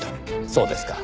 そうですか。